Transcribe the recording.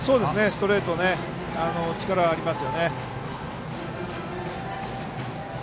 ストレート、力があります。